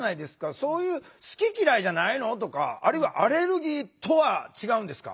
そういう「好き嫌いじゃないの？」とかあるいはアレルギーとは違うんですか？